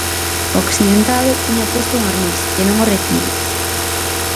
O accidentado tiña posto un arnés, que non o retivo.